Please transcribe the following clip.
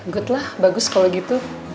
good lah bagus kalau gitu